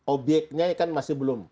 obyeknya kan masih belum